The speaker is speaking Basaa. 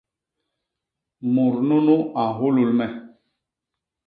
Mut nunu a nhuhul me.